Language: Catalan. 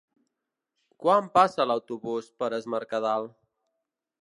Quan passa l'autobús per Es Mercadal?